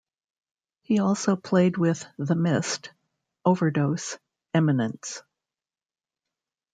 He also played with The Mist, Overdose, Eminence.